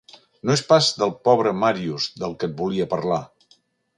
No és pas del pobre Màrius del que et volia parlar.